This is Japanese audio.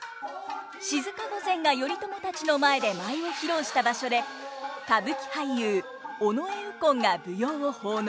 静御前が頼朝たちの前で舞を披露した場所で歌舞伎俳優尾上右近が舞踊を奉納。